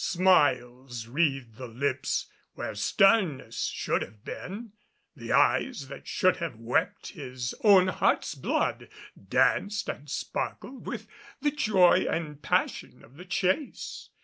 Smiles wreathed the lips where sternness should have been; and eyes that should have wept his own heart's blood danced and sparkled with the joy and passion of the chase.